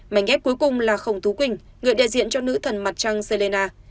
mảnh ghép cuối cùng là khổng tú quỳnh người đại diện cho nữ thần mặt trăng sellina